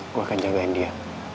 gue akan jagain dia